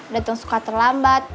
dateng suka terlambat